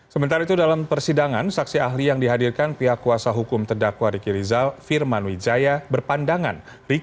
sementara itu dalam persidangan saksi ahli yang dihadirkan pihak kuasa hukum terdakwa riki rizal firman wijaya berpandangan